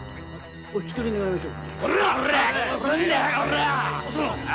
お引き取り願いましょう。